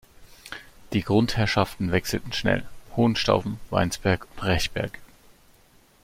Die Grundherrschaften wechselten schnell: Hohenstaufen, Weinsberg und Rechberg.